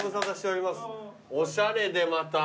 おしゃれでまた。